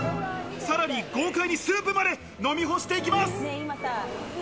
さらに豪快にスープまで飲み干していきます！